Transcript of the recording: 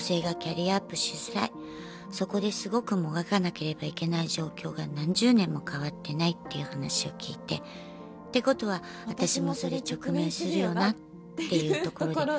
そこですごくもがかなければいけない状況が何十年も変わってないっていう話を聞いて。ってことは私もそれ直面するよなっていうところで。